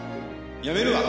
やめるわ。